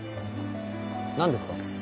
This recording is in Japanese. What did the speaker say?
何ですか？